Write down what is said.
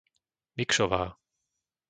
Mikšová